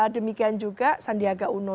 demikian juga sandiaga uno